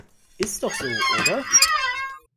Ist doch so, oder?